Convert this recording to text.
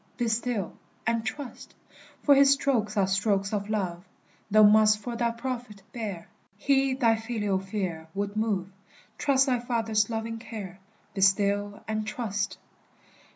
Be still and trust! For his strokes are strokes of love, Thou must for thy profit bear; He thy filial fear would move, Trust thy Father's loving care, Be still and trust!